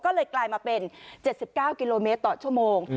ก็เลยกลายมาเป็น๗๙กิโลเมตรต่อชั่วโมง